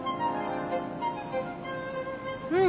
うん！